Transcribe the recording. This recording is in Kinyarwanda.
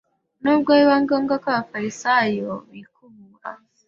Nuko biba ngombwa ko abafarisayo bikubura